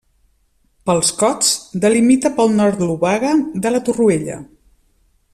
Pels Cots, delimita pel nord l'Obaga de la Torroella.